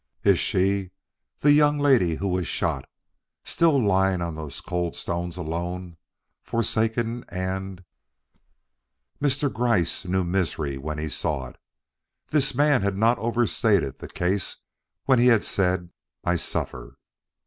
"Is she the young lady who was shot still lying on those cold stones alone, forsaken and " Mr. Gryce knew misery when he saw it. This man had not overstated the case when he had said "I suffer."